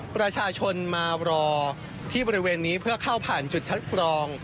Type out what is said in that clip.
ประชาชนมารอที่บริเวณนี้เพื่อเข้าผ่านจุดคัดกรอง